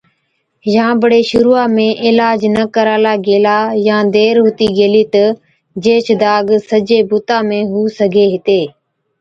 يان بڙي شرُوعا ۾ عِلاج نہ ڪرالا گيلا يان دير هُتِي گيلِي تہ جيهچ داگ سجي بُتا ۾ هُو سِگھي هِتي۔